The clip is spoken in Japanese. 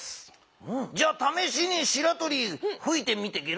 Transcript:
じゃあためしにしらとりふいてみてゲロ？